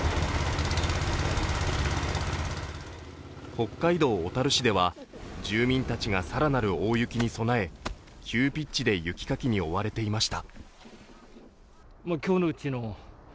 北海道小樽市では、住民たちが更なる大雪に備え急ピッチで雪かきに追われていました。